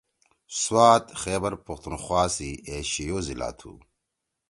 سوات خیبر پختون خوا سی اے شیو ضلع تُھو۔